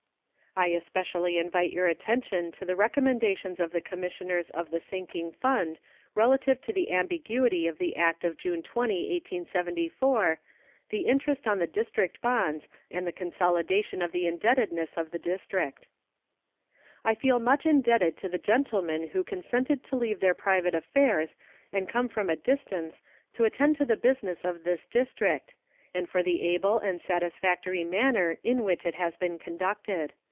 I especially invite your attention to the recommendations of the commissioners of the sinking fund relative to the ambiguity of the act of June 20, 1874, the interest on the District bonds, and the consolidation of the indebtedness of the District. I feel much indebted to the gentlemen who consented to leave their private affairs and come from a distance to attend to the business of this District, and for the able and satisfactory manner in which it has been conducted.